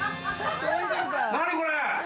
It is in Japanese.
何これ？